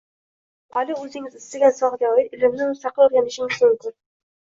Internet orqali o’zingiz istagan sohaga oid ilmni mustaqil o’rganishingiz mumkin